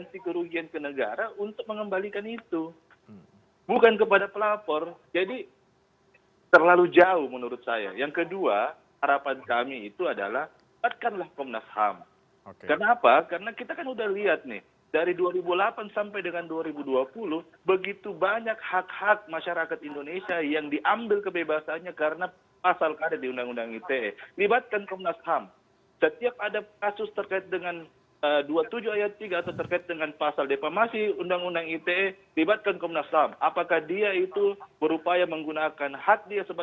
didorong untuk bisa mengambil tanda tanda